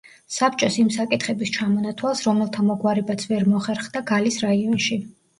საბჭოს იმ საკითხების ჩამონათვალს, რომელთა მოგვარებაც ვერ მოხერხდა გალის რაიონში.